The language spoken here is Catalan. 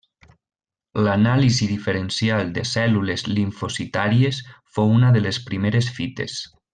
L'anàlisi diferencial de cèl·lules limfocitàries fou una de les primeres fites.